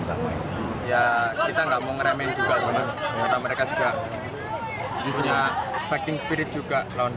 mereka juga misalnya fighting spirit juga lawan kita mungkin besok